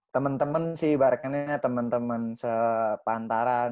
temen temen sih ibaratnya temen temen sepantaran